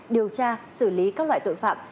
điều tra xử lý các loại tội phạm